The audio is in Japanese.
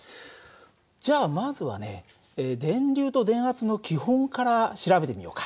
じゃあまずはね電流と電圧の基本から調べてみようか。